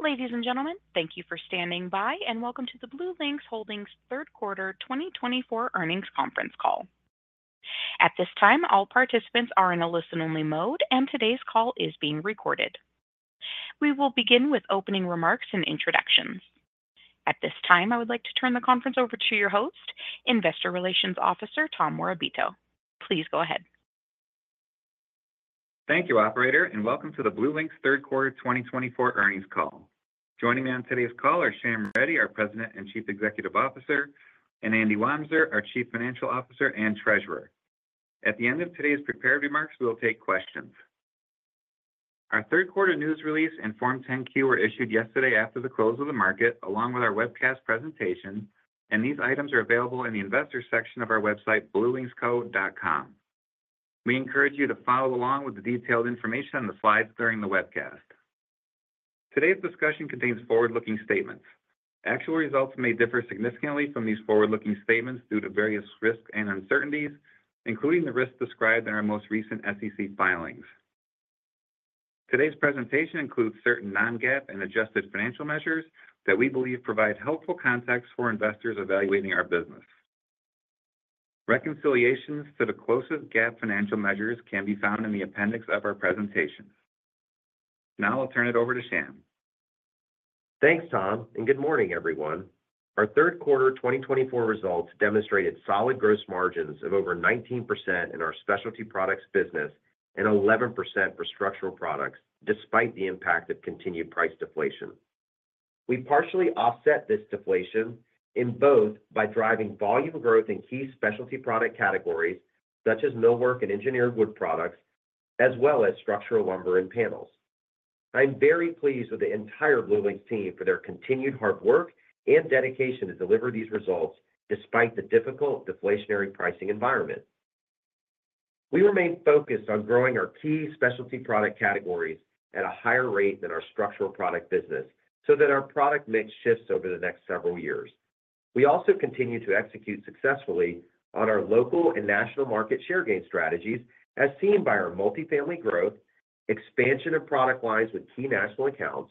Ladies and gentlemen, thank you for standing by, and welcome to the BlueLinx Holdings's Third Quarter 2024 Earnings Conference Call. At this time, all participants are in a listen-only mode, and today's call is being recorded. We will begin with opening remarks and introductions. At this time, I would like to turn the conference over to your host, Investor Relations Officer Tom Morabito. Please go ahead. Thank you, Operator, and welcome to the BlueLinx third quarter 2024 earnings call. Joining me on today's call are Shyam Reddy, our President and Chief Executive Officer, and Andrew Wamser, our Chief Financial Officer and Treasurer. At the end of today's prepared remarks, we will take questions. Our third quarter news release and Form 10-Q were issued yesterday after the close of the market, along with our webcast presentation, and these items are available in the investor section of our website, bluelinxco.com. We encourage you to follow along with the detailed information on the slides during the webcast. Today's discussion contains forward-looking statements. Actual results may differ significantly from these forward-looking statements due to various risks and uncertainties, including the risks described in our most recent SEC filings. Today's presentation includes certain non-GAAP and adjusted financial measures that we believe provide helpful context for investors evaluating our business. Reconciliations to the closest GAAP financial measures can be found in the appendix of our presentation. Now I'll turn it over to Shyam. Thanks, Tom, and good morning, everyone. Our third quarter 2024 results demonstrated solid gross margins of over 19% in our specialty products business and 11% for structural products, despite the impact of continued price deflation. We partially offset this deflation in both by driving volume growth in key specialty product categories such as millwork and engineered wood products, as well as structural lumber and panels. I'm very pleased with the entire BlueLinx team for their continued hard work and dedication to deliver these results despite the difficult deflationary pricing environment. We remain focused on growing our key specialty product categories at a higher rate than our structural product business so that our product mix shifts over the next several years. We also continue to execute successfully on our local and national market share gain strategies, as seen by our multifamily growth, expansion of product lines with key national accounts,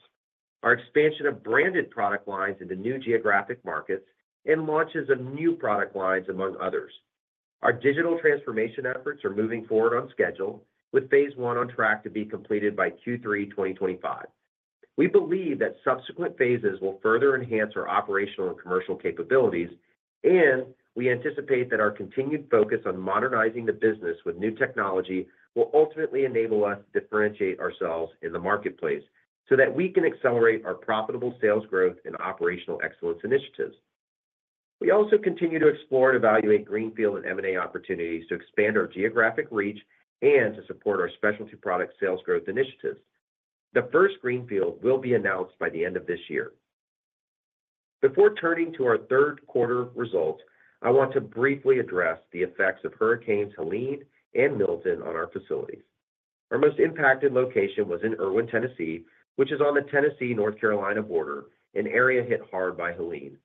our expansion of branded product lines into new geographic markets, and launches of new product lines, among others. Our digital transformation efforts are moving forward on schedule, with phase one on track to be completed by Q3 2025. We believe that subsequent phases will further enhance our operational and commercial capabilities, and we anticipate that our continued focus on modernizing the business with new technology will ultimately enable us to differentiate ourselves in the marketplace so that we can accelerate our profitable sales growth and operational excellence initiatives. We also continue to explore and evaluate greenfield and M&A opportunities to expand our geographic reach and to support our specialty product sales growth initiatives. The first greenfield will be announced by the end of this year. Before turning to our third quarter results, I want to briefly address the effects of Hurricanes Helene and Milton on our facilities. Our most impacted location was in Irwin, Tennessee, which is on the Tennessee-North Carolina border, an area hit hard by Helene.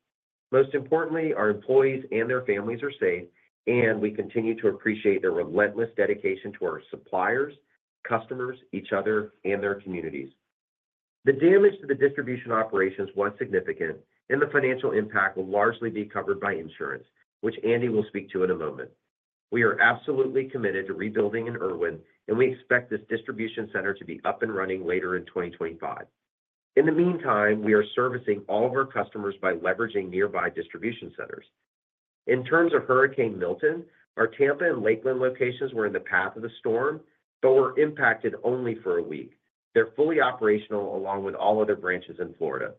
Most importantly, our employees and their families are safe, and we continue to appreciate their relentless dedication to our suppliers, customers, each other, and their communities. The damage to the distribution operations was significant, and the financial impact will largely be covered by insurance, which Andy will speak to in a moment. We are absolutely committed to rebuilding in Erwin, and we expect this distribution center to be up and running later in 2025. In the meantime, we are servicing all of our customers by leveraging nearby distribution centers. In terms of Hurricane Milton, our Tampa and Lakeland locations were in the path of the storm, but were impacted only for a week. They're fully operational along with all other branches in Florida.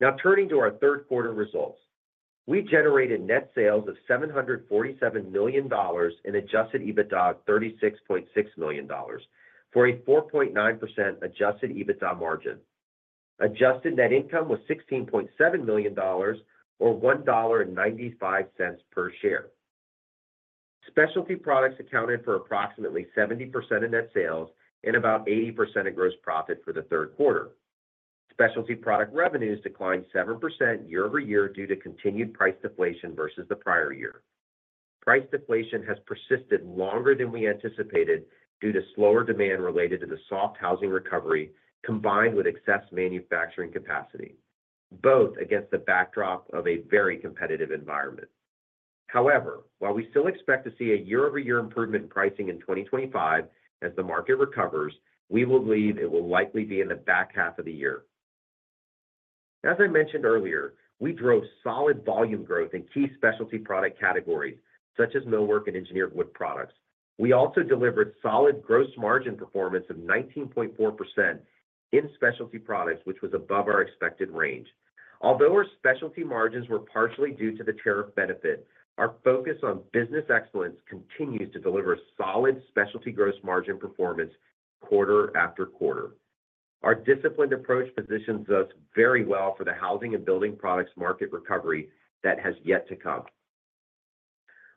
Now turning to our third quarter results, we generated net sales of $747 million and adjusted EBITDA of $36.6 million for a 4.9% adjusted EBITDA margin. Adjusted net income was $16.7 million, or $1.95 per share. Specialty products accounted for approximately 70% of net sales and about 80% of gross profit for the third quarter. Specialty product revenues declined 7% year-over-year due to continued price deflation versus the prior year. Price deflation has persisted longer than we anticipated due to slower demand related to the soft housing recovery combined with excess manufacturing capacity, both against the backdrop of a very competitive environment. However, while we still expect to see a year-over-year improvement in pricing in 2025 as the market recovers, we will believe it will likely be in the back half of the year. As I mentioned earlier, we drove solid volume growth in key specialty product categories such as millwork and engineered wood products. We also delivered solid gross margin performance of 19.4% in specialty products, which was above our expected range. Although our specialty margins were partially due to the tariff benefit, our focus on business excellence continues to deliver solid specialty gross margin performance quarter after quarter. Our disciplined approach positions us very well for the housing and building products market recovery that has yet to come.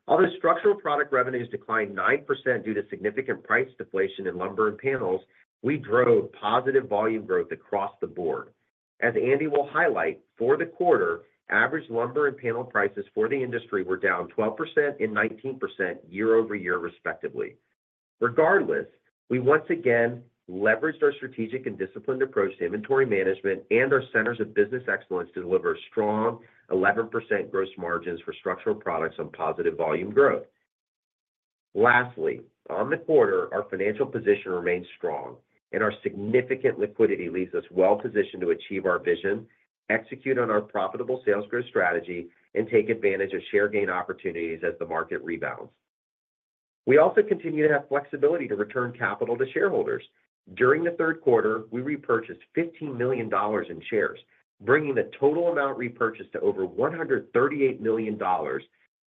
Although structural product revenues declined 9% due to significant price deflation in lumber and panels, we drove positive volume growth across the board. As Andy will highlight, for the quarter, average lumber and panel prices for the industry were down 12% and 19% year-over-year, respectively. Regardless, we once again leveraged our strategic and disciplined approach to inventory management and our centers of business excellence to deliver strong 11% gross margins for structural products on positive volume growth. Lastly, on the quarter, our financial position remains strong, and our significant liquidity leaves us well-positioned to achieve our vision, execute on our profitable sales growth strategy, and take advantage of share gain opportunities as the market rebounds. We also continue to have flexibility to return capital to shareholders. During the third quarter, we repurchased $15 million in shares, bringing the total amount repurchased to over $138 million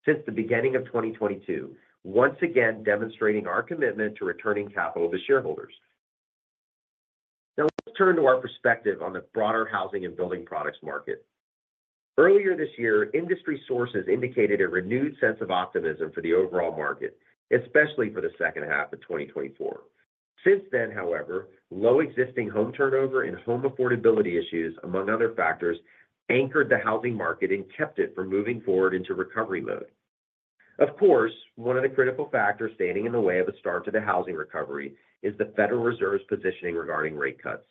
since the beginning of 2022, once again demonstrating our commitment to returning capital to shareholders. Now let's turn to our perspective on the broader housing and building products market. Earlier this year, industry sources indicated a renewed sense of optimism for the overall market, especially for the second half of 2024. Since then, however, low existing home turnover and home affordability issues, among other factors, anchored the housing market and kept it from moving forward into recovery mode. Of course, one of the critical factors standing in the way of a start to the housing recovery is the Federal Reserve's positioning regarding rate cuts.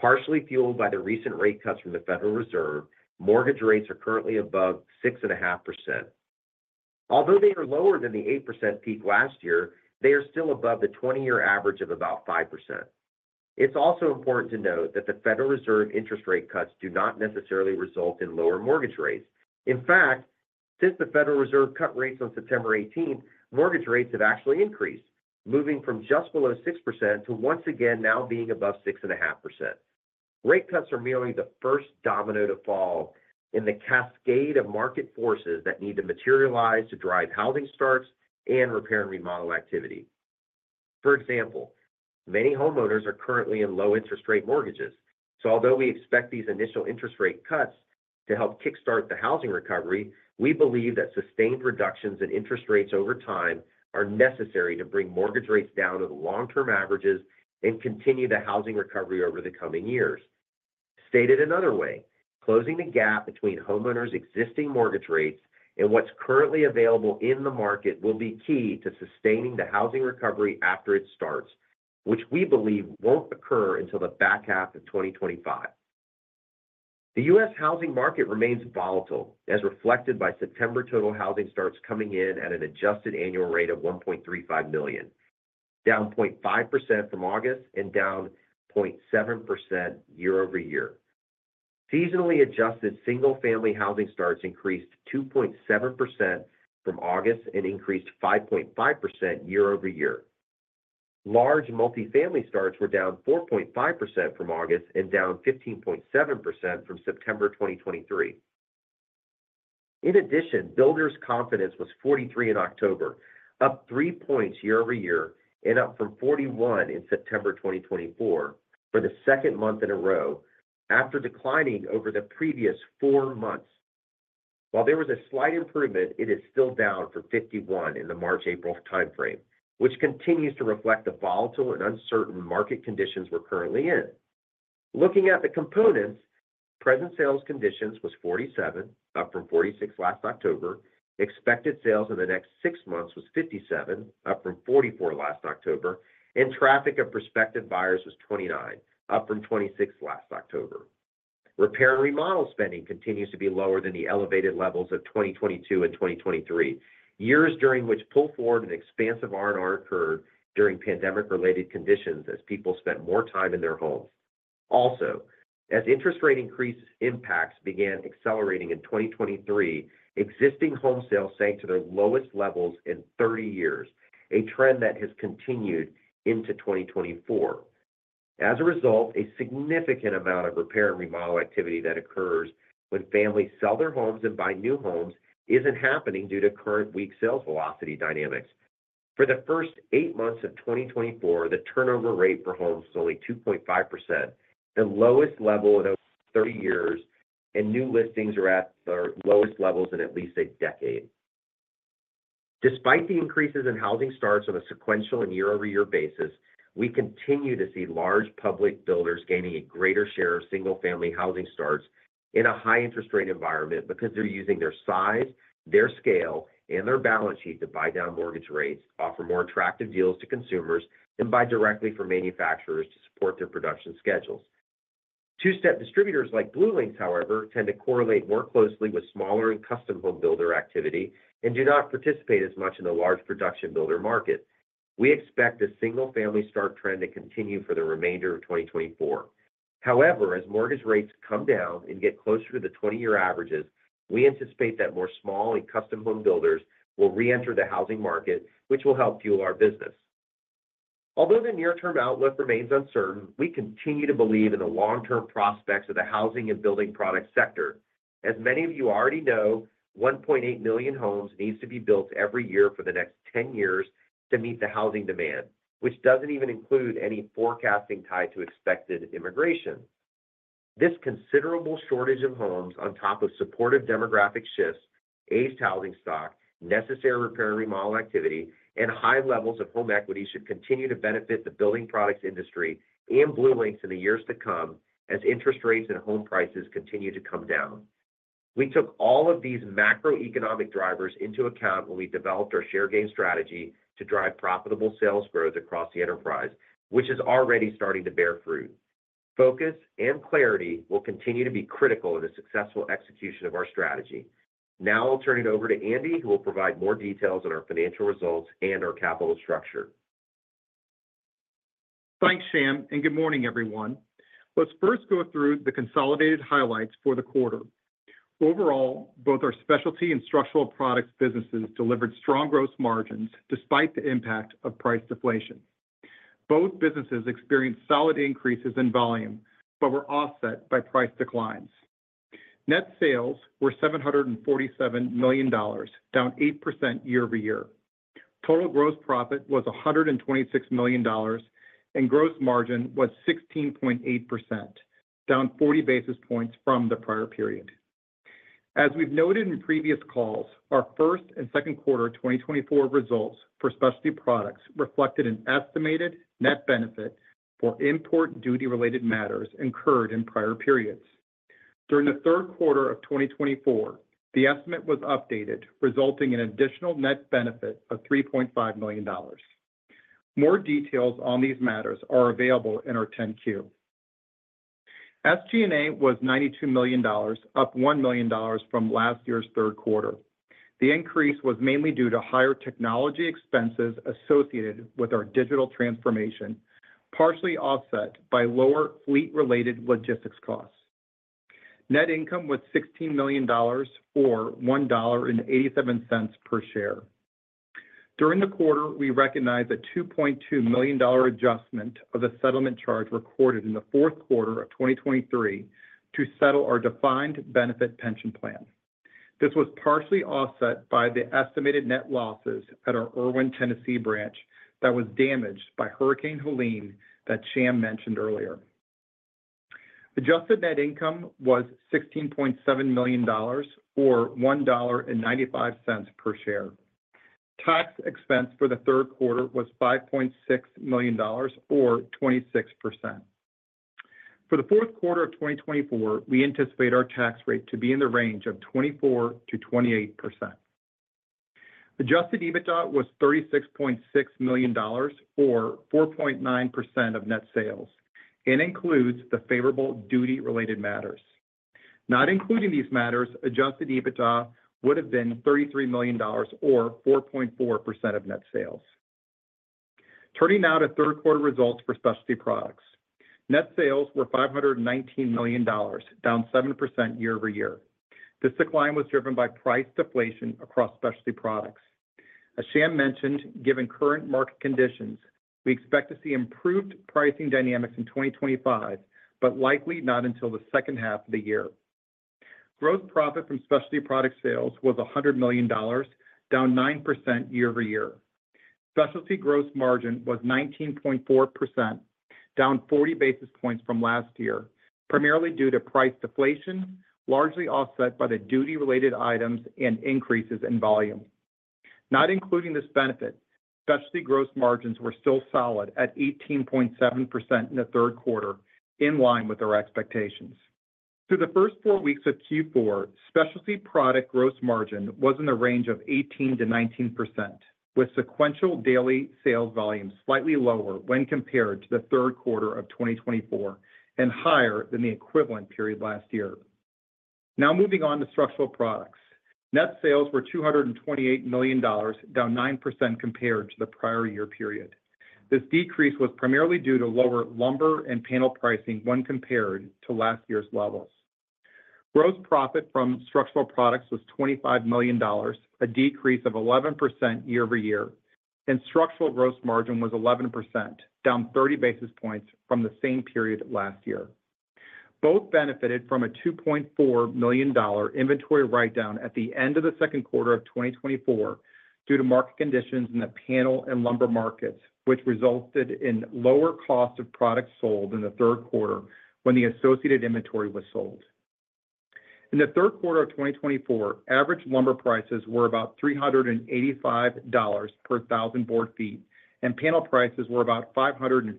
Partially fueled by the recent rate cuts from the Federal Reserve, mortgage rates are currently above 6.5%. Although they are lower than the 8% peak last year, they are still above the 20-year average of about 5%. It's also important to note that the Federal Reserve interest rate cuts do not necessarily result in lower mortgage rates. In fact, since the Federal Reserve cut rates on September 18th, mortgage rates have actually increased, moving from just below 6% to once again now being above 6.5%. Rate cuts are merely the first domino to fall in the cascade of market forces that need to materialize to drive housing starts and repair and remodel activity. For example, many homeowners are currently in low interest rate mortgages. So although we expect these initial interest rate cuts to help kickstart the housing recovery, we believe that sustained reductions in interest rates over time are necessary to bring mortgage rates down to the long-term averages and continue the housing recovery over the coming years. Stated another way, closing the gap between homeowners' existing mortgage rates and what's currently available in the market will be key to sustaining the housing recovery after it starts, which we believe won't occur until the back half of 2025. The U.S. housing market remains volatile, as reflected by September total housing starts coming in at an adjusted annual rate of $1.35 million, down 0.5% from August and down 0.7% year-over-year. Seasonally adjusted single-family housing starts increased 2.7% from August and increased 5.5% year-over-year. Large multifamily starts were down 4.5% from August and down 15.7% from September 2023. In addition, builders' confidence was 43 in October, up three points year-over-year, and up from 41 in September 2024 for the second month in a row, after declining over the previous four months. While there was a slight improvement, it is still down for 51 in the March-April timeframe, which continues to reflect the volatile and uncertain market conditions we're currently in. Looking at the components, present sales conditions was 47, up from 46 last October. Expected sales in the next six months was 57, up from 44 last October, and traffic of prospective buyers was 29, up from 26th last October. Repair and remodel spending continues to be lower than the elevated levels of 2022 and 2023, years during which pull forward and expansive R&R occurred during pandemic-related conditions as people spent more time in their homes. Also, as interest rate increase impacts began accelerating in 2023, existing home sales sank to their lowest levels in 30 years, a trend that has continued into 2024. As a result, a significant amount of repair and remodel activity that occurs when families sell their homes and buy new homes isn't happening due to current weak sales velocity dynamics. For the first eight months of 2024, the turnover rate for homes was only 2.5%, the lowest level in over 30 years, and new listings are at their lowest levels in at least a decade. Despite the increases in housing starts on a sequential and year-over-year basis, we continue to see large public builders gaining a greater share of single-family housing starts in a high-interest rate environment because they're using their size, their scale, and their balance sheet to buy down mortgage rates, offer more attractive deals to consumers, and buy directly from manufacturers to support their production schedules. Two-step distributors like BlueLinx, however, tend to correlate more closely with smaller and custom home builder activity and do not participate as much in the large production builder market. We expect the single-family start trend to continue for the remainder of 2024. However, as mortgage rates come down and get closer to the 20-year averages, we anticipate that more small and custom home builders will re-enter the housing market, which will help fuel our business. Although the near-term outlook remains uncertain, we continue to believe in the long-term prospects of the housing and building product sector. As many of you already know, 1.8 million homes needs to be built every year for the next 10 years to meet the housing demand, which doesn't even include any forecasting tied to expected immigration. This considerable shortage of homes, on top of supportive demographic shifts, aged housing stock, necessary Repair and Remodel activity, and high levels of home equity should continue to benefit the building products industry and BlueLinx in the years to come as interest rates and home prices continue to come down. We took all of these macroeconomic drivers into account when we developed our share gain strategy to drive profitable sales growth across the enterprise, which is already starting to bear fruit. Focus and clarity will continue to be critical in the successful execution of our strategy. Now I'll turn it over to Andy, who will provide more details on our financial results and our capital structure. Thanks, Shyam, and good morning, everyone. Let's first go through the consolidated highlights for the quarter. Overall, both our specialty and structural products businesses delivered strong gross margins despite the impact of price deflation. Both businesses experienced solid increases in volume, but were offset by price declines. Net sales were $747 million, down 8% year-over-year. Total gross profit was $126 million, and gross margin was 16.8%, down 40 basis points from the prior period. As we've noted in previous calls, our first and second quarter 2024 results for specialty products reflected an estimated net benefit for import duty-related matters incurred in prior periods. During the third quarter of 2024, the estimate was updated, resulting in additional net benefit of $3.5 million. More details on these matters are available in our 10-Q. SG&A was $92 million, up $1 million from last year's third quarter. The increase was mainly due to higher technology expenses associated with our digital transformation, partially offset by lower fleet-related logistics costs. Net income was $16 million, or $1.87 per share. During the quarter, we recognized a $2.2 million adjustment of the settlement charge recorded in the fourth quarter of 2023 to settle our defined benefit pension plan. This was partially offset by the estimated net losses at our Erwin, Tennessee branch that was damaged by Hurricane Helene that Shyam mentioned earlier. Adjusted net income was $16.7 million, or $1.95 per share. Tax expense for the third quarter was $5.6 million, or 26%. For the fourth quarter of 2024, we anticipate our tax rate to be in the range of 24%-28%. Adjusted EBITDA was $36.6 million, or 4.9% of net sales, and includes the favorable duty-related matters. Not including these matters, adjusted EBITDA would have been $33 million, or 4.4% of net sales. Turning now to third-quarter results for specialty products. Net sales were $519 million, down 7% year-over-year. This decline was driven by price deflation across specialty products. As Shyam mentioned, given current market conditions, we expect to see improved pricing dynamics in 2025, but likely not until the second half of the year. Gross profit from specialty product sales was $100 million, down 9% year-over-year. Specialty gross margin was 19.4%, down 40 basis points from last year, primarily due to price deflation, largely offset by the duty-related items and increases in volume. Not including this benefit, specialty gross margins were still solid at 18.7% in the third quarter, in line with our expectations. Through the first four weeks of Q4, specialty product gross margin was in the range of 18%-19%, with sequential daily sales volume slightly lower when compared to the third quarter of 2024 and higher than the equivalent period last year. Now moving on to structural products. Net sales were $228 million, down 9% compared to the prior year period. This decrease was primarily due to lower lumber and panel pricing when compared to last year's levels. Gross profit from structural products was $25 million, a decrease of 11% year-over-year, and structural gross margin was 11%, down 30 basis points from the same period last year. Both benefited from a $2.4 million inventory write-down at the end of the second quarter of 2024 due to market conditions in the panel and lumber markets, which resulted in lower cost of products sold in the third quarter when the associated inventory was sold. In the third quarter of 2024, average lumber prices were about $385 per 1,000 board feet, and panel prices were about $515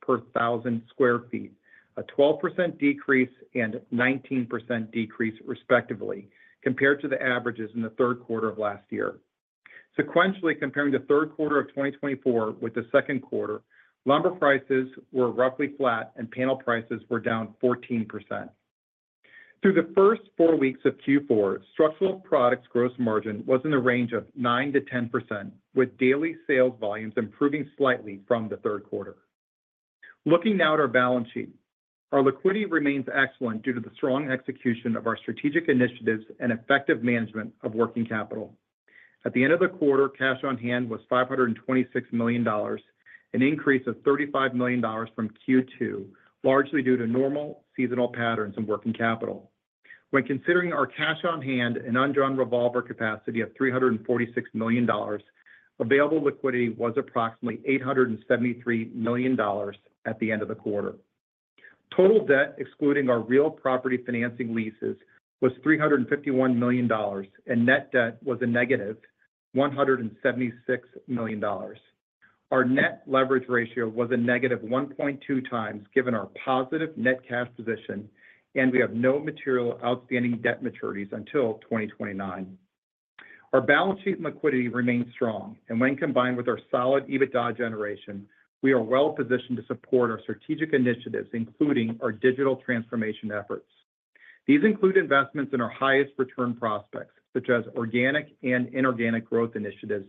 per 1,000 sq ft, a 12% decrease and 19% decrease, respectively, compared to the averages in the third quarter of last year. Sequentially comparing the third quarter of 2024 with the second quarter, lumber prices were roughly flat, and panel prices were down 14%. Through the first four weeks of Q4, structural products gross margin was in the range of 9%-10%, with daily sales volumes improving slightly from the third quarter. Looking now at our balance sheet, our liquidity remains excellent due to the strong execution of our strategic initiatives and effective management of working capital. At the end of the quarter, cash on hand was $526 million, an increase of $35 million from Q2, largely due to normal seasonal patterns in working capital. When considering our cash on hand and undrawn revolver capacity of $346 million, available liquidity was approximately $873 million at the end of the quarter. Total debt, excluding our real property financing leases, was $351 million, and net debt was a negative $176 million. Our net leverage ratio was a negative 1.2 times given our positive net cash position, and we have no material outstanding debt maturities until 2029. Our balance sheet and liquidity remain strong, and when combined with our solid EBITDA generation, we are well positioned to support our strategic initiatives, including our digital transformation efforts. These include investments in our highest return prospects, such as organic and inorganic growth initiatives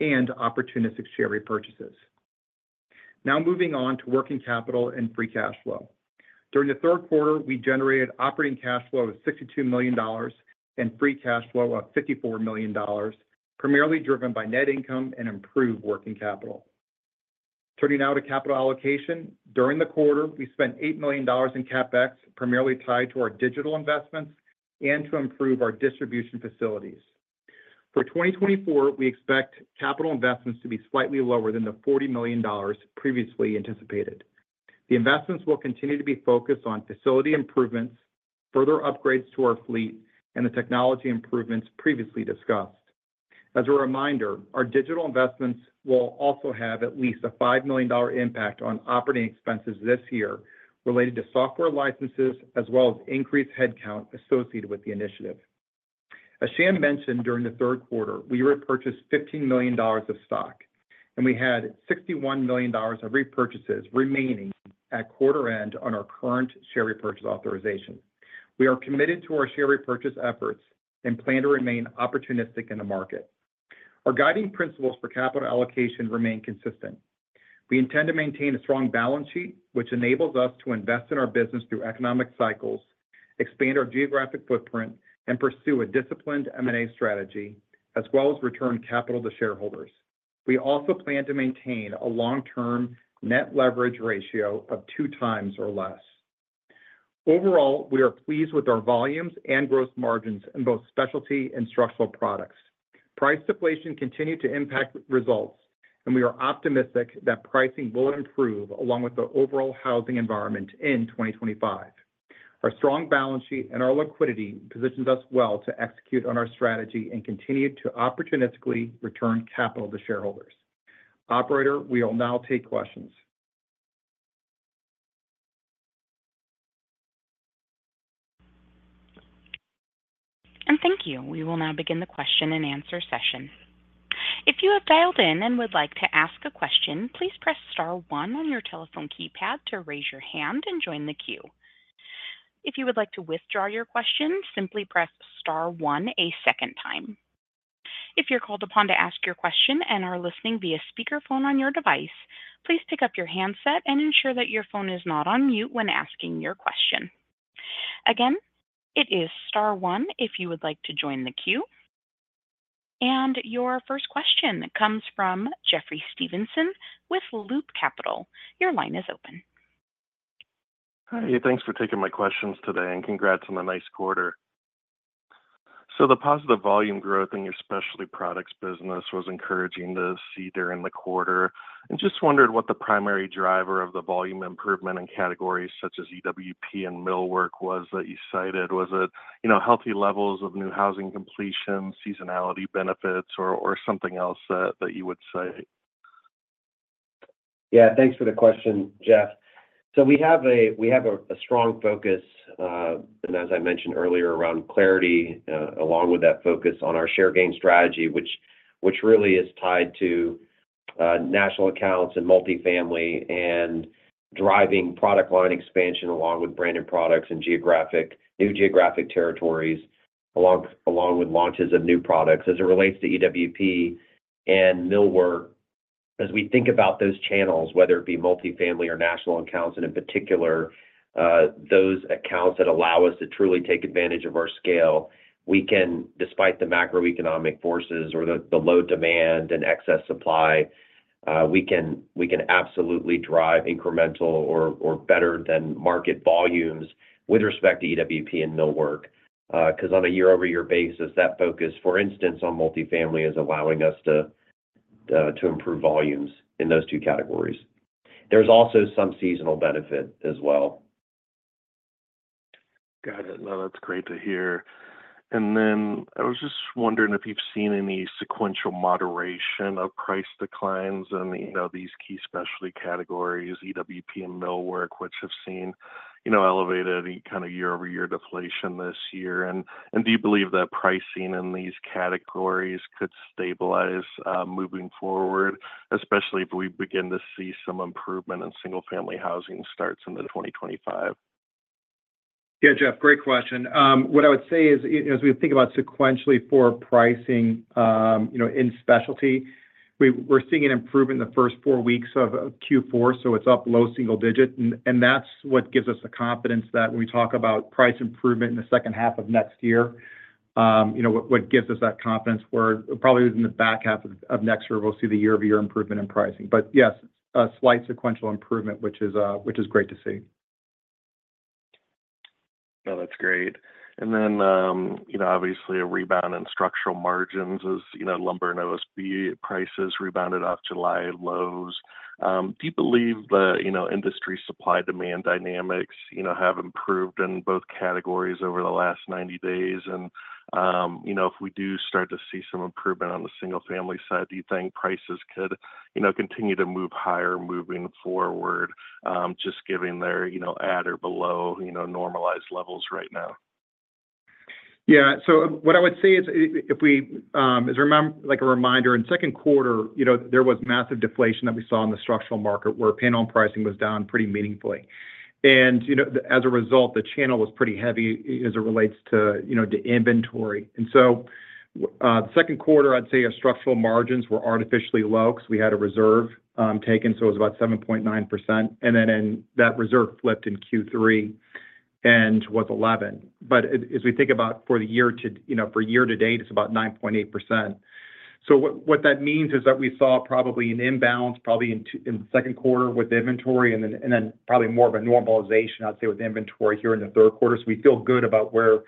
and opportunistic share repurchases. Now moving on to working capital and free cash flow. During the third quarter, we generated operating cash flow of $62 million and free cash flow of $54 million, primarily driven by net income and improved working capital. Turning now to capital allocation. During the quarter, we spent $8 million in CapEx, primarily tied to our digital investments and to improve our distribution facilities. For 2024, we expect capital investments to be slightly lower than the $40 million previously anticipated. The investments will continue to be focused on facility improvements, further upgrades to our fleet, and the technology improvements previously discussed. As a reminder, our digital investments will also have at least a $5 million impact on operating expenses this year related to software licenses, as well as increased headcount associated with the initiative. As Shyam mentioned, during the third quarter, we repurchased $15 million of stock, and we had $61 million of repurchases remaining at quarter-end on our current share repurchase authorization. We are committed to our share repurchase efforts and plan to remain opportunistic in the market. Our guiding principles for capital allocation remain consistent. We intend to maintain a strong balance sheet, which enables us to invest in our business through economic cycles, expand our geographic footprint, and pursue a disciplined M&A strategy, as well as return capital to shareholders. We also plan to maintain a long-term net leverage ratio of two times or less. Overall, we are pleased with our volumes and gross margins in both specialty and structural products. Price deflation continued to impact results, and we are optimistic that pricing will improve along with the overall housing environment in 2025. Our strong balance sheet and our liquidity positions us well to execute on our strategy and continue to opportunistically return capital to shareholders. Operator, we will now take questions. And thank you. We will now begin the question and answer session. If you have dialed in and would like to ask a question, please press star one on your telephone keypad to raise your hand and join the queue. If you would like to withdraw your question, simply press star one a second time. If you're called upon to ask your question and are listening via speakerphone on your device, please pick up your handset and ensure that your phone is not on mute when asking your question. Again, it is star one if you would like to join the queue. And your first question comes from Jeffrey Stevenson with Loop Capital. Your line is open. Hi. Thanks for taking my questions today and congrats on a nice quarter. So the positive volume growth in your specialty products business was encouraging to see during the quarter. I just wondered what the primary driver of the volume improvement in categories such as EWP and millwork was that you cited. Was it healthy levels of new housing completion, seasonality benefits, or something else that you would say? Yeah. Thanks for the question, Jeff. So we have a strong focus, and as I mentioned earlier, around clarity, along with that focus on our share gain strategy, which really is tied to national accounts and multifamily and driving product line expansion along with branded products and new geographic territories, along with launches of new products. As it relates to EWP and millwork, as we think about those channels, whether it be multifamily or national accounts, and in particular, those accounts that allow us to truly take advantage of our scale, we can, despite the macroeconomic forces or the low demand and excess supply, we can absolutely drive incremental or better-than-market volumes with respect to EWP and millwork because on a year-over-year basis, that focus, for instance, on multifamily is allowing us to improve volumes in those two categories. There's also some seasonal benefit as well. Got it. No, that's great to hear. And then I was just wondering if you've seen any sequential moderation of price declines in these key specialty categories, EWP and millwork, which have seen elevated kind of year-over-year deflation this year. Do you believe that pricing in these categories could stabilize moving forward, especially if we begin to see some improvement in single-family housing starts into 2025? Yeah, Jeff, great question. What I would say is, as we think about sequentially for pricing in specialty, we're seeing an improvement in the first four weeks of Q4, so it's up low single digits. And that's what gives us the confidence that when we talk about price improvement in the second half of next year, what gives us that confidence, we're probably in the back half of next year, we'll see the year-over-year improvement in pricing. But yes, a slight sequential improvement, which is great to see. No, that's great. And then, obviously, a rebound in structural margins as lumber and OSB prices rebounded off July lows. Do you believe the industry supply-demand dynamics have improved in both categories over the last 90 days? And if we do start to see some improvement on the single-family side, do you think prices could continue to move higher moving forward, just given they're at or below normalized levels right now? Yeah, so what I would say is, as a reminder, in second quarter, there was massive deflation that we saw in the structural market where panel pricing was down pretty meaningfully. And as a result, the channel was pretty heavy as it relates to inventory. And so second quarter, I'd say our structural margins were artificially low because we had a reserve taken, so it was about 7.9%. And then that reserve flipped in Q3 and was 11%. But as we think about for the year to date, it's about 9.8%. So what that means is that we saw probably an imbalance, probably in the second quarter with inventory and then probably more of a normalization, I'd say, with inventory here in the third quarter. So we feel good about where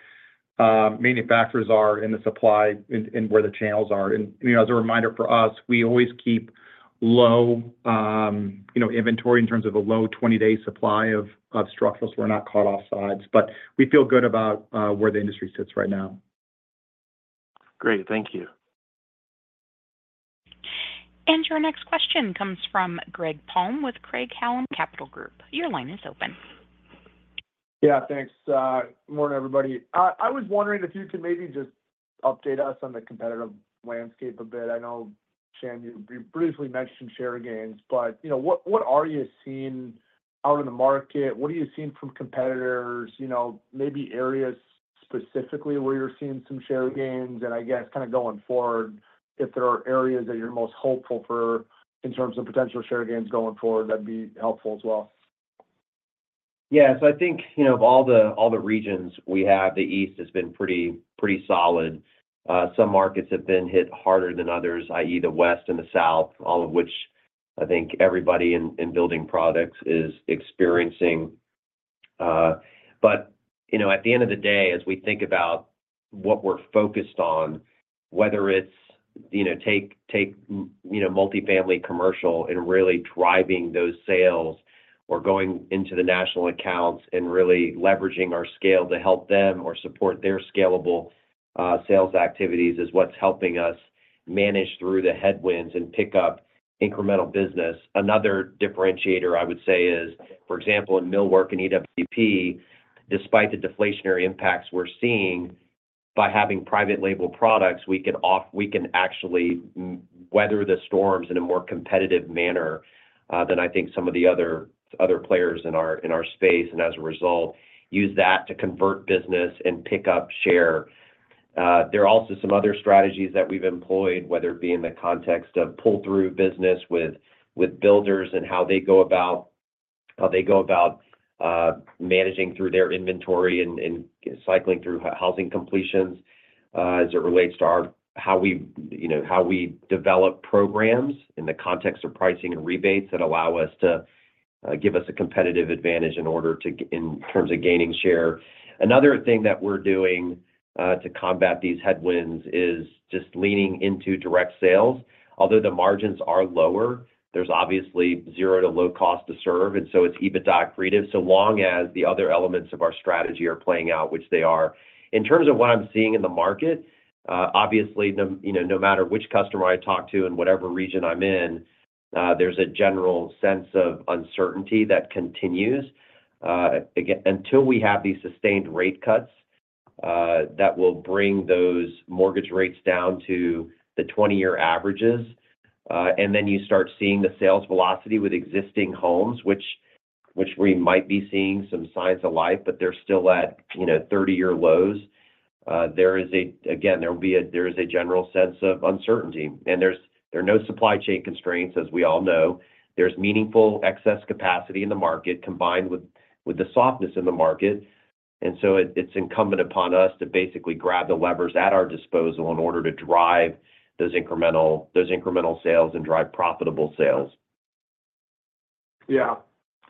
manufacturers are in the supply and where the channels are. And as a reminder for us, we always keep low inventory in terms of a low 20-day supply of structurals so we're not caught offsides. But we feel good about where the industry sits right now. Great. Thank you. And your next question comes from Greg Palm with Craig-Hallum Capital Group. Your line is open. Yeah. Thanks. Good morning, everybody. I was wondering if you could maybe just update us on the competitive landscape a bit. I know, Shyam, you briefly mentioned share gains, but what are you seeing out in the market? What are you seeing from competitors? Maybe areas specifically where you're seeing some share gains? And I guess kind of going forward, if there are areas that you're most hopeful for in terms of potential share gains going forward, that'd be helpful as well. Yeah. So I think of all the regions we have, the East has been pretty solid. Some markets have been hit harder than others, i.e., the West and the South, all of which I think everybody in building products is experiencing. But at the end of the day, as we think about what we're focused on, whether it's take multifamily commercial and really driving those sales or going into the national accounts and really leveraging our scale to help them or support their scalable sales activities is what's helping us manage through the headwinds and pick up incremental business. Another differentiator, I would say, is, for example, in millwork and EWP, despite the deflationary impacts we're seeing, by having private label products, we can actually weather the storms in a more competitive manner than I think some of the other players in our space, and as a result, use that to convert business and pick up share. There are also some other strategies that we've employed, whether it be in the context of pull-through business with builders and how they go about managing through their inventory and cycling through housing completions as it relates to how we develop programs in the context of pricing and rebates that allow us to give us a competitive advantage in terms of gaining share. Another thing that we're doing to combat these headwinds is just leaning into direct sales. Although the margins are lower, there's obviously zero to low cost to serve, and so it's EBITDA accretive so long as the other elements of our strategy are playing out, which they are. In terms of what I'm seeing in the market, obviously, no matter which customer I talk to in whatever region I'm in, there's a general sense of uncertainty that continues until we have these sustained rate cuts that will bring those mortgage rates down to the 20-year averages. And then you start seeing the sales velocity with existing homes, which we might be seeing some signs of life, but they're still at 30-year lows. Again, there will be a general sense of uncertainty. And there are no supply chain constraints, as we all know. There's meaningful excess capacity in the market combined with the softness in the market. And so it's incumbent upon us to basically grab the levers at our disposal in order to drive those incremental sales and drive profitable sales. Yeah.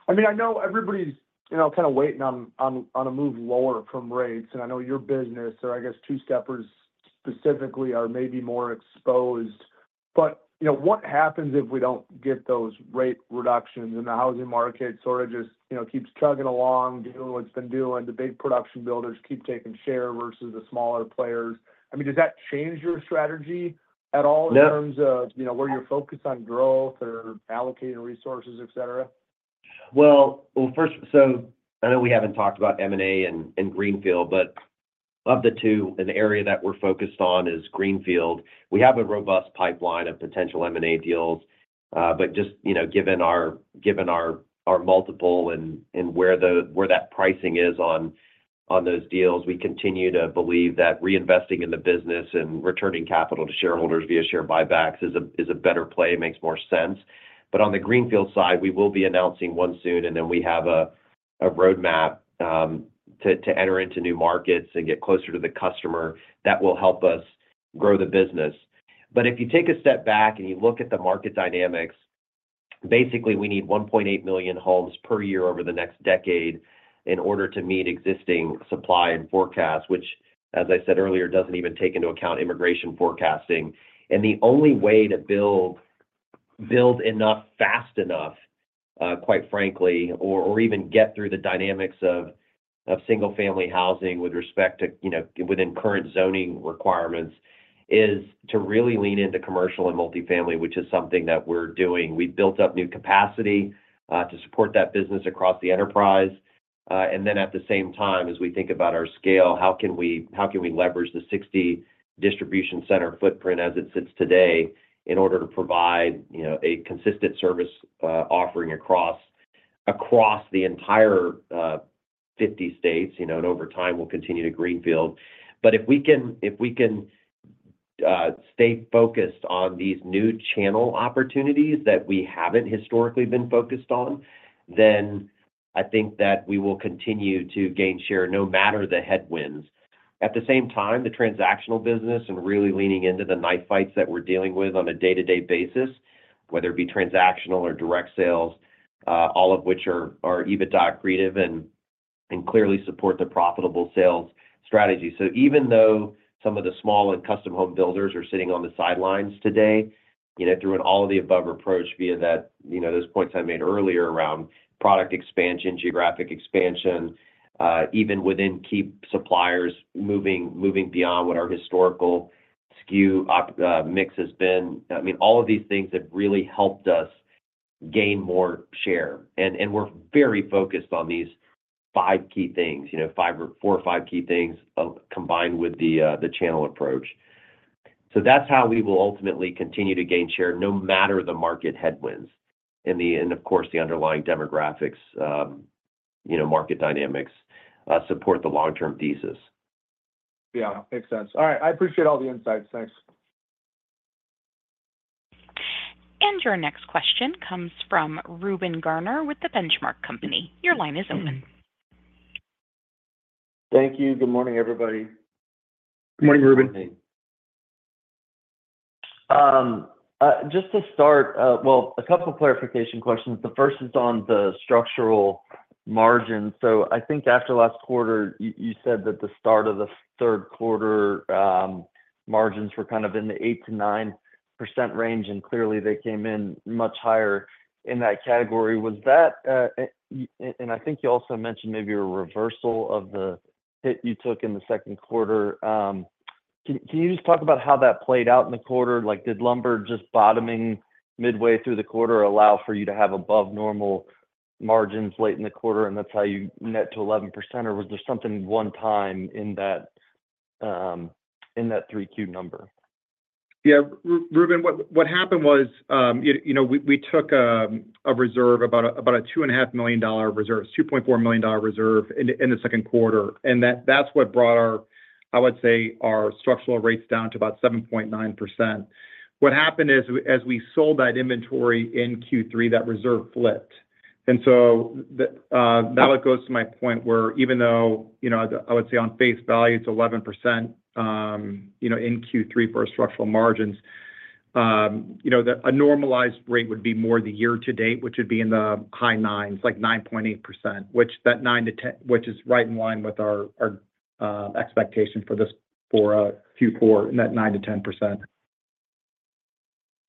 I mean, I know everybody's kind of waiting on a move lower from rates. And I know your business, or I guess two-steppers specifically, are maybe more exposed. But what happens if we don't get those rate reductions and the housing market sort of just keeps chugging along, doing what it's been doing? The big production builders keep taking share versus the smaller players. I mean, does that change your strategy at all in terms of where you're focused on growth or allocating resources, etc.? Well, first, so I know we haven't talked about M&A and Greenfield, but of the two, an area that we're focused on is Greenfield. We have a robust pipeline of potential M&A deals. But just given our multiple and where that pricing is on those deals, we continue to believe that reinvesting in the business and returning capital to shareholders via share buybacks is a better play. It makes more sense. But on the Greenfield side, we will be announcing one soon, and then we have a roadmap to enter into new markets and get closer to the customer that will help us grow the business. But if you take a step back and you look at the market dynamics, basically, we need 1.8 million homes per year over the next decade in order to meet existing supply and forecast, which, as I said earlier, doesn't even take into account immigration forecasting. The only way to build enough fast enough, quite frankly, or even get through the dynamics of single-family housing with respect to within current zoning requirements is to really lean into commercial and multifamily, which is something that we're doing. We've built up new capacity to support that business across the enterprise. At the same time, as we think about our scale, how can we leverage the 60 distribution center footprint as it sits today in order to provide a consistent service offering across the entire 50 states? Over time, we'll continue to greenfield. If we can stay focused on these new channel opportunities that we haven't historically been focused on, then I think that we will continue to gain share no matter the headwinds. At the same time, the transactional business and really leaning into the knife fights that we're dealing with on a day-to-day basis, whether it be transactional or direct sales, all of which are EBITDA accretive and clearly support the profitable sales strategy. So even though some of the small and custom home builders are sitting on the sidelines today, through an all-of-the-above approach via those points I made earlier around product expansion, geographic expansion, even within key suppliers moving beyond what our historical SKU mix has been, I mean, all of these things have really helped us gain more share. And we're very focused on these five key things, four or five key things combined with the channel approach. So that's how we will ultimately continue to gain share no matter the market headwinds. And of course, the underlying demographics, market dynamics support the long-term thesis. Yeah. Makes sense. All right. I appreciate all the insights. Thanks. And your next question comes from Reuben Garner with The Benchmark Company. Your line is open. Thank you. Good morning, everybody. Good morning, Reuben. Just to start, well, a couple of clarification questions. The first is on the structural margins. So I think after last quarter, you said that the start of the third quarter margins were kind of in the 8%-9% range, and clearly, they came in much higher in that category. Was that? And I think you also mentioned maybe a reversal of the hit you took in the second quarter. Can you just talk about how that played out in the quarter? Did lumber just bottoming midway through the quarter allow for you to have above-normal margins late in the quarter and that's how you net to 11%? Or was there something one time in that 3Q number? Yeah. Reuben, what happened was we took a reserve, about a $2.5 million reserve, $2.4 million reserve in the second quarter. And that's what brought, I would say, our structural rates down to about 7.9%. What happened is, as we sold that inventory in Q3, that reserve flipped. And so that goes to my point where, even though I would say on face value, it's 11% in Q3 for our structural margins, a normalized rate would be more the year to date, which would be in the high 9s, like 9.8%, which that 9%-10%, which is right in line with our expectation for Q4 in that 9%-10%.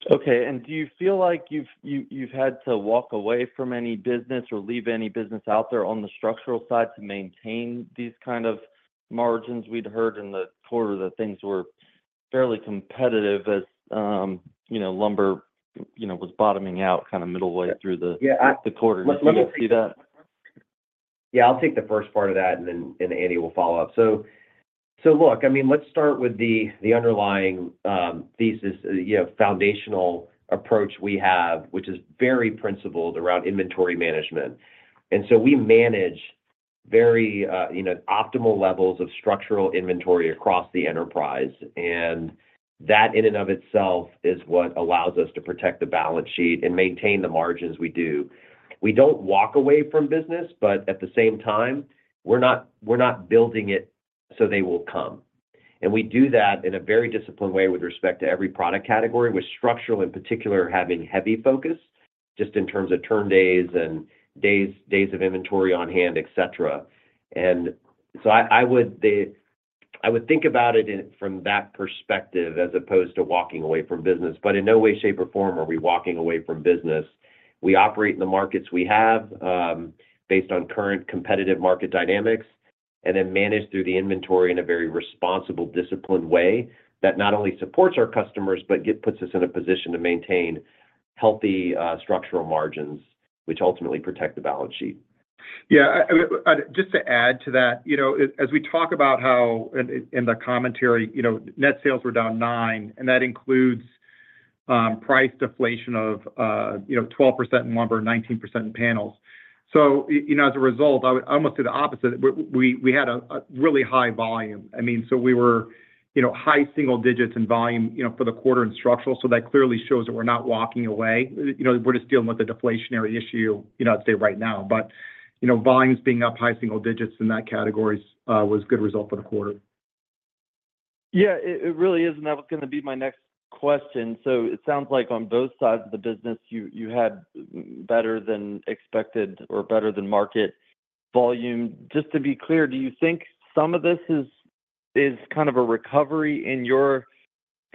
Okay. And do you feel like you've had to walk away from any business or leave any business out there on the structural side to maintain these kind of margins? We'd heard in the quarter that things were fairly competitive as lumber was bottoming out kind of middle way through the quarter. Did you see that? Yeah. I'll take the first part of that, and then Andy will follow up. So look, I mean, let's start with the underlying thesis, foundational approach we have, which is very principled around inventory management. And that in and of itself is what allows us to protect the balance sheet and maintain the margins we do. We don't walk away from business, but at the same time, we're not building it so they will come. And we do that in a very disciplined way with respect to every product category, with structural in particular having heavy focus just in terms of turn days and days of inventory on hand, etc. And so I would think about it from that perspective as opposed to walking away from business. But in no way, shape, or form are we walking away from business. We operate in the markets we have based on current competitive market dynamics and then manage through the inventory in a very responsible, disciplined way that not only supports our customers but puts us in a position to maintain healthy structural margins, which ultimately protect the balance sheet. Yeah. Just to add to that, as we talk about how in the commentary, net sales were down 9%, and that includes price deflation of 12% in lumber, 19% in panels. So as a result, I would almost say the opposite. We had a really high volume. I mean, so we were high single digits in volume for the quarter in structural. So that clearly shows that we're not walking away. We're just dealing with a deflationary issue, I'd say, right now. But volumes being up high single digits in that category was a good result for the quarter. Yeah. It really is. And that was going to be my next question. So it sounds like on both sides of the business, you had better than expected or better than market volume. Just to be clear, do you think some of this is kind of a recovery in your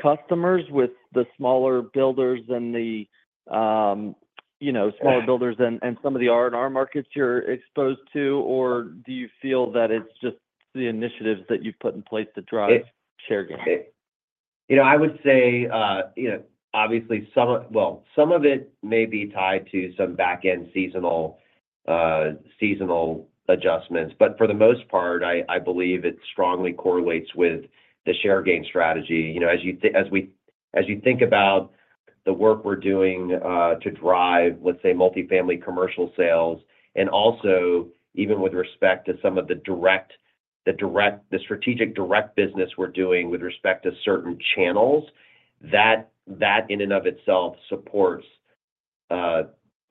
customers with the smaller builders and the smaller builders and some of the R&R markets you're exposed to? Or do you feel that it's just the initiatives that you've put in place to drive share gains? I would say, obviously, well, some of it may be tied to some back-end seasonal adjustments. But for the most part, I believe it strongly correlates with the share gain strategy. As you think about the work we're doing to drive, let's say, multifamily commercial sales, and also even with respect to some of the strategic direct business we're doing with respect to certain channels, that in and of itself supports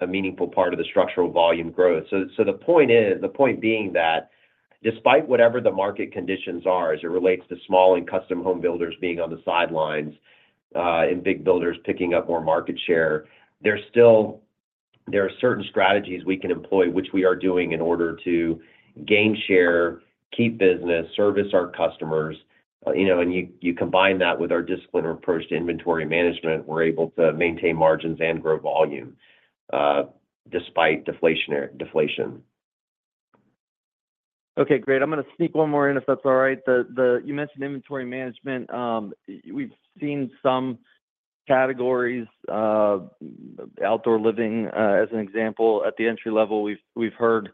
a meaningful part of the structural volume growth. So the point being that despite whatever the market conditions are as it relates to small and custom home builders being on the sidelines and big builders picking up more market share, there are certain strategies we can employ, which we are doing in order to gain share, keep business, service our customers. And you combine that with our disciplined approach to inventory management, we're able to maintain margins and grow volume despite deflation. Okay. Great. I'm going to sneak one more in, if that's all right. You mentioned inventory management. We've seen some categories, outdoor living as an example. At the entry level, we've heard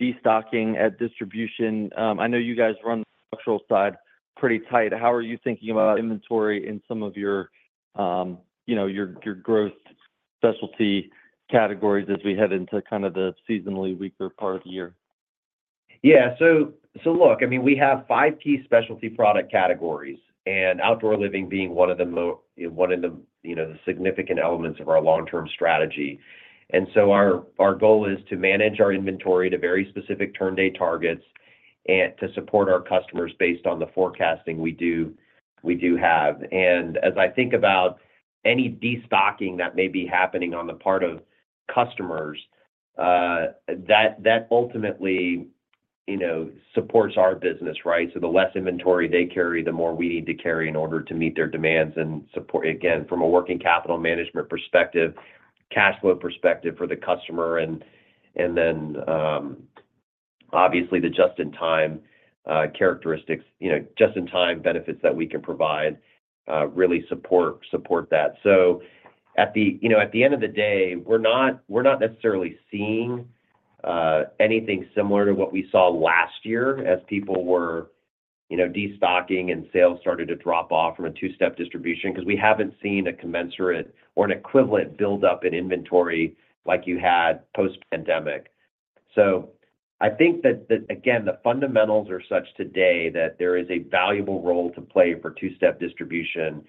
destocking at distribution. I know you guys run the structural side pretty tight. How are you thinking about inventory in some of your growth specialty categories as we head into kind of the seasonally weaker part of the year? Yeah. So look, I mean, we have five key specialty product categories, and outdoor living being one of the significant elements of our long-term strategy. And so our goal is to manage our inventory to very specific turn-day targets and to support our customers based on the forecasting we do have. And as I think about any destocking that may be happening on the part of customers, that ultimately supports our business, right? So the less inventory they carry, the more we need to carry in order to meet their demands and support, again, from a working capital management perspective, cash flow perspective for the customer. And then, obviously, the just-in-time characteristics, just-in-time benefits that we can provide really support that. So at the end of the day, we're not necessarily seeing anything similar to what we saw last year as people were destocking and sales started to drop off from a Two-Step distribution because we haven't seen a commensurate or an equivalent build-up in inventory like you had post-pandemic. So I think that, again, the fundamentals are such today that there is a valuable role to play for Two-Step distribution.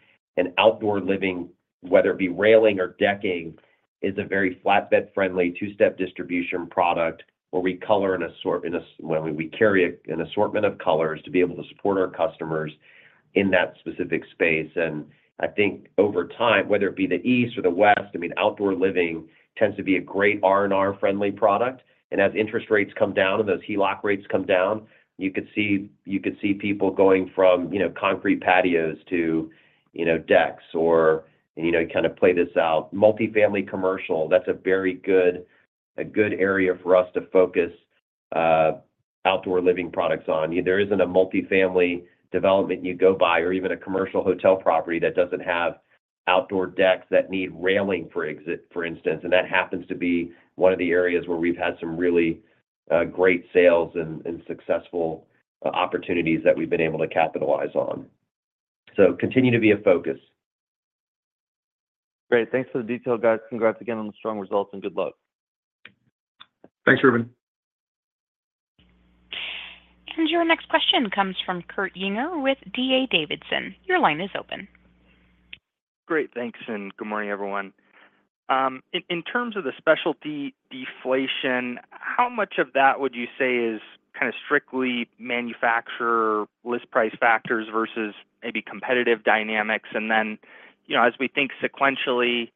Outdoor living, whether it be railing or decking, is a very flatbed-friendly two-step distribution product where we color, and we'll carry an assortment of colors to be able to support our customers in that specific space. I think over time, whether it be the East or the West, I mean, outdoor living tends to be a great R&R-friendly product. As interest rates come down and those HELOC rates come down, you could see people going from concrete patios to decks or kind of play this out. Multifamily commercial, that's a very good area for us to focus outdoor living products on. There isn't a multifamily development you go by or even a commercial hotel property that doesn't have outdoor decks that need railing, for instance. And that happens to be one of the areas where we've had some really great sales and successful opportunities that we've been able to capitalize on. So continue to be a focus. Great. Thanks for the detail, guys. Congrats again on the strong results and good luck. Thanks, Reuben. And your next question comes from Kurt Yinger with D.A. Davidson. Your line is open. Great. Thanks. And good morning, everyone. In terms of the specialty deflation, how much of that would you say is kind of strictly manufacturer list price factors versus maybe competitive dynamics? And then as we think sequentially,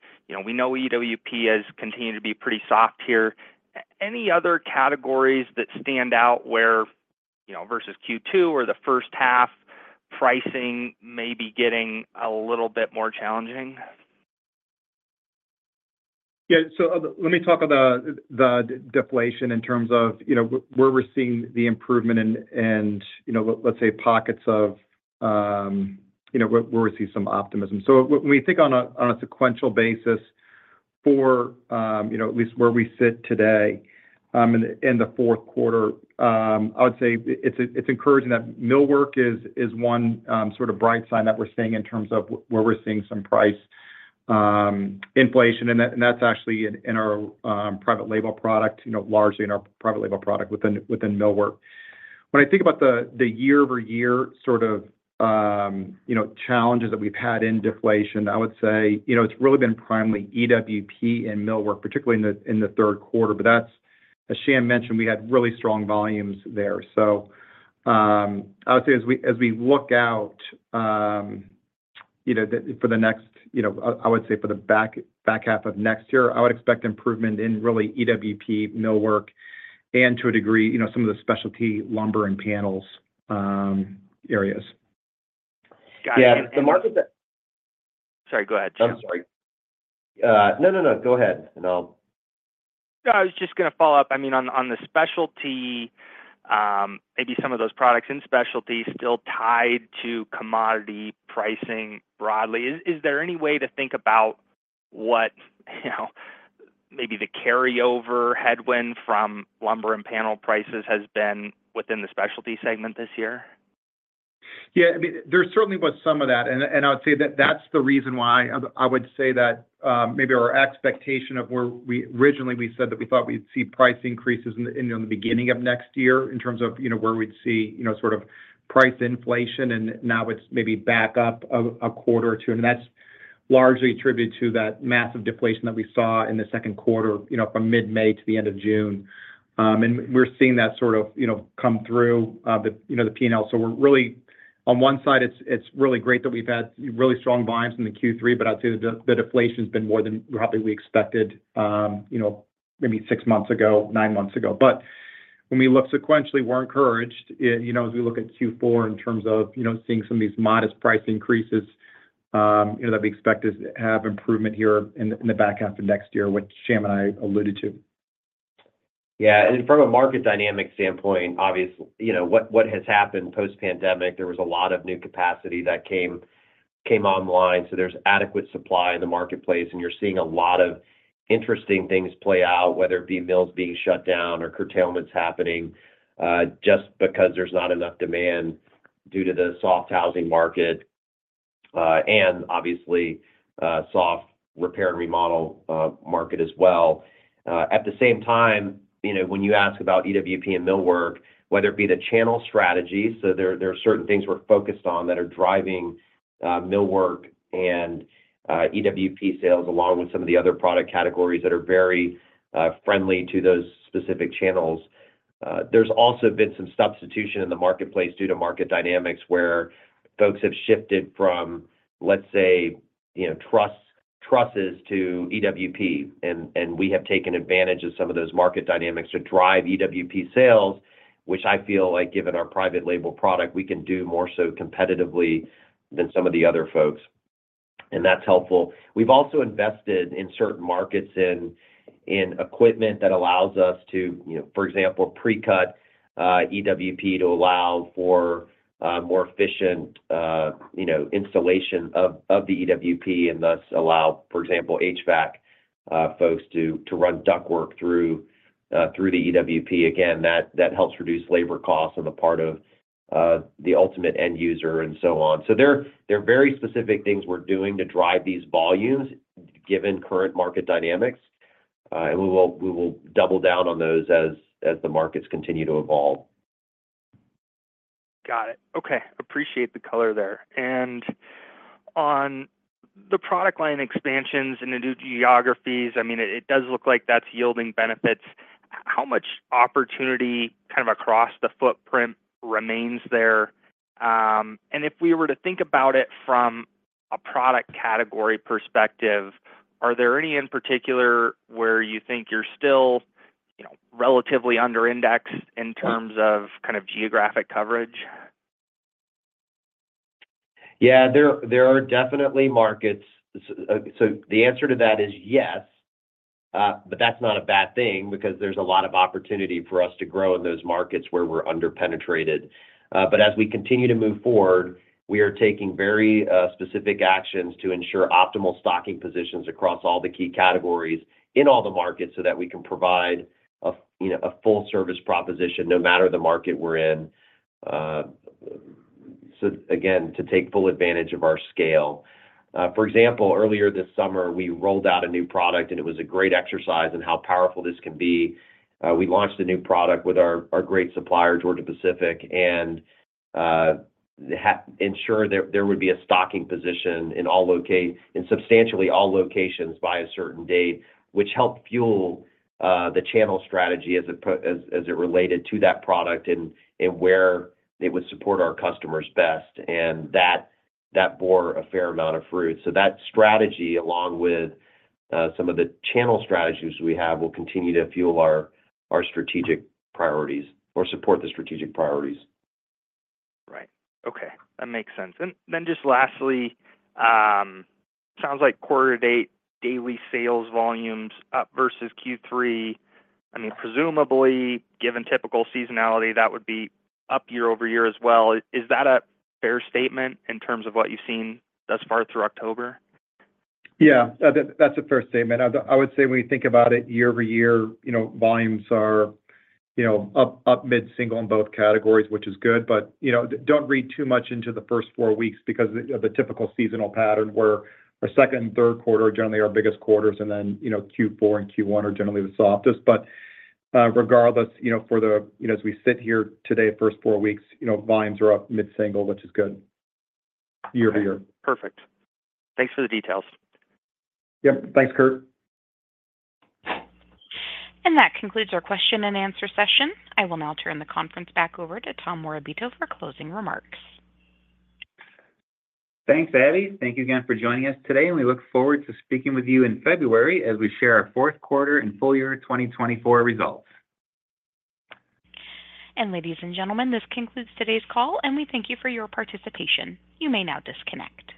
we know EWP has continued to be pretty soft here. Any other categories that stand out versus Q2 or the first half pricing may be getting a little bit more challenging? Yeah. Let me talk about the deflation in terms of where we're seeing the improvement and, let's say, pockets of where we see some optimism. When we think on a sequential basis for at least where we sit today in the fourth quarter, I would say it's encouraging that millwork is one sort of bright sign that we're seeing in terms of where we're seeing some price inflation. And that's actually in our private label product, largely in our private label product within millwork. When I think about the year-over-year sort of challenges that we've had in deflation, I would say it's really been primarily EWP and millwork, particularly in the third quarter. But as Shyam mentioned, we had really strong volumes there. So I would say as we look out for the next, I would say for the back half of next year, I would expect improvement in really EWP, millwork, and to a degree, some of the specialty lumber and panels areas. Got it. And the market that. Sorry, go ahead, Shyam. I'm sorry. No, no, no. Go ahead, and I'll. No, I was just going to follow up. I mean, on the specialty, maybe some of those products in specialty still tied to commodity pricing broadly. Is there any way to think about what maybe the carryover headwind from lumber and panel prices has been within the specialty segment this year? Yeah. I mean, there certainly was some of that. I would say that that's the reason why I would say that maybe our expectation of where we originally said that we thought we'd see price increases in the beginning of next year in terms of where we'd see sort of price inflation, and now it's maybe back up a quarter or two. That's largely attributed to that massive deflation that we saw in the second quarter from mid-May to the end of June. We're seeing that sort of come through the P&L. On one side, it's really great that we've had really strong buying in Q3, but I'd say the deflation has been more than probably we expected maybe six months ago, nine months ago. But when we look sequentially, we're encouraged as we look at Q4 in terms of seeing some of these modest price increases that we expect to have improvement here in the back half of next year, which Shyam and I alluded to. Yeah. And from a market dynamic standpoint, obviously, what has happened post-pandemic, there was a lot of new capacity that came online. So there's adequate supply in the marketplace, and you're seeing a lot of interesting things play out, whether it be mills being shut down or curtailments happening just because there's not enough demand due to the soft housing market and, obviously, soft repair and remodel market as well. At the same time, when you ask about EWP and millwork, whether it be the channel strategies, so there are certain things we're focused on that are driving millwork and EWP sales along with some of the other product categories that are very friendly to those specific channels. There's also been some substitution in the marketplace due to market dynamics where folks have shifted from, let's say, trusses to EWP. And we have taken advantage of some of those market dynamics to drive EWP sales, which I feel like, given our private label product, we can do more so competitively than some of the other folks. And that's helpful. We've also invested in certain markets in equipment that allows us to, for example, pre-cut EWP to allow for more efficient installation of the EWP and thus allow, for example, HVAC folks to run ductwork through the EWP. Again, that helps reduce labor costs on the part of the ultimate end user and so on. So there are very specific things we're doing to drive these volumes given current market dynamics, and we will double down on those as the markets continue to evolve. Got it. Okay. Appreciate the color there, and on the product line expansions and the new geographies, I mean, it does look like that's yielding benefits. How much opportunity kind of across the footprint remains there, and if we were to think about it from a product category perspective, are there any in particular where you think you're still relatively under-indexed in terms of kind of geographic coverage? Yeah. There are definitely markets, so the answer to that is yes, but that's not a bad thing because there's a lot of opportunity for us to grow in those markets where we're under-penetrated. But as we continue to move forward, we are taking very specific actions to ensure optimal stocking positions across all the key categories in all the markets so that we can provide a full-service proposition no matter the market we're in. So again, to take full advantage of our scale. For example, earlier this summer, we rolled out a new product, and it was a great exercise in how powerful this can be. We launched a new product with our great supplier, Georgia-Pacific, and ensured there would be a stocking position in substantially all locations by a certain date, which helped fuel the channel strategy as it related to that product and where it would support our customers best. And that bore a fair amount of fruit. So that strategy, along with some of the channel strategies we have, will continue to fuel our strategic priorities or support the strategic priorities. Right. Okay. That makes sense. And then just lastly, sounds like quarter-to-date daily sales volumes up versus Q3. I mean, presumably, given typical seasonality, that would be up year-over-year as well. Is that a fair statement in terms of what you've seen thus far through October? Yeah. That's a fair statement. I would say when you think about it, year-over-year, volumes are up mid-single in both categories, which is good. But don't read too much into the first four weeks because of the typical seasonal pattern where our second and third quarter are generally our biggest quarters, and then Q4 and Q1 are generally the softest. But regardless, for as we sit here today, first four weeks, volumes are up mid-single, which is good year-over-year. Perfect. Thanks for the details. Yep. Thanks, Kurt. And that concludes our question-and-answer session. I will now turn the conference back over to Tom Morabito for closing remarks. Thanks, Abby. Thank you again for joining us today. And we look forward to speaking with you in February as we share our fourth quarter and full year 2024 results. And ladies and gentlemen, this concludes today's call, and we thank you for your participation. You may now disconnect.